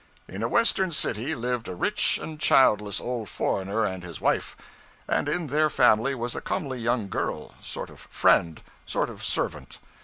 In a Western city lived a rich and childless old foreigner and his wife; and in their family was a comely young girl sort of friend, sort of servant.